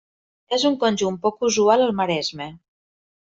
És un conjunt poc usual al Maresme.